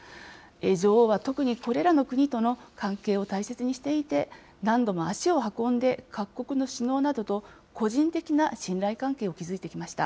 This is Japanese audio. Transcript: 女王は特にこれらの国との関係を大切にしていて、何度も足を運んで各国の首脳などと個人的な信頼関係を築いてきました。